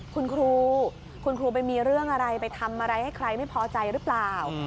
คุณครูคุณครูไปมีเรื่องอะไรไปทำอะไรให้ใครไม่พอใจหรือเปล่า